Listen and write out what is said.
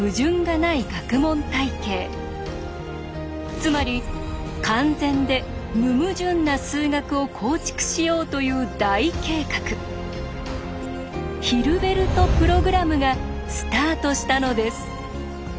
つまり完全で無矛盾な数学を構築しようという大計画ヒルベルト・プログラムがスタートしたのです。